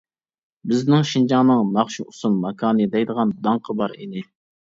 بىزنىڭ شىنجاڭنىڭ ناخشا-ئۇسسۇل ماكانى دەيدىغان داڭقى بار ئىدى.